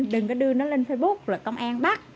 đừng có đưa nó lên facebook là công an bắt